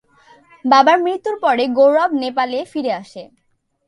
বাবার মৃত্যুর পরে গৌরব নেপালে ফিরে আসে।